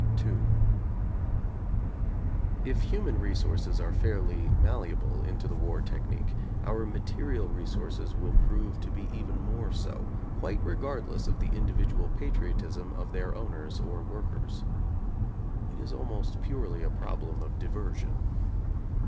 ii If human resources are fairly malleable into the war technique, our material resources will prove to be even more so, quite regardless of the indi vidual patriotism of their owners or workers. It is almost purely a problem of diversion.